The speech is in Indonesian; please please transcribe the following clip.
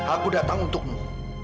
aku datang untukmu